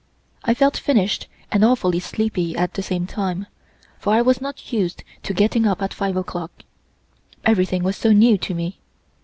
I felt finished and awfully sleepy at the same time, for I was not used to getting up at 5 o'clock. Everything was so new to me.